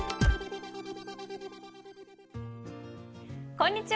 こんにちは！